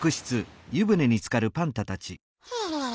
はあ。